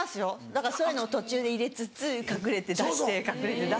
だからそういうのを途中で入れつつ隠れて出して隠れて出してやって。